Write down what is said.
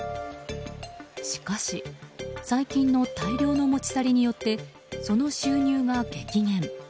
しかし、最近の大量の持ち去りによってその収入が激減。